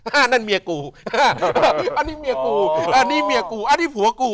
อันนั้นเมียกูอันนี้เมียกูอันนี้เมียกูอันนี้ผัวกู